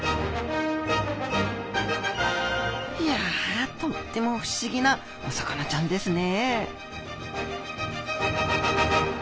いやとっても不思議なお魚ちゃんですね